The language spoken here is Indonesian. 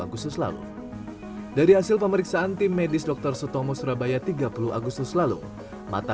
agustus lalu dari hasil pemeriksaan tim medis dokter sutomo surabaya tiga puluh agustus lalu mata